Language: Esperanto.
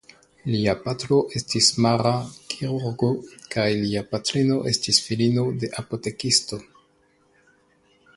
Lia patro estis mara kirurgo kaj lia patrino estis filino de apotekisto.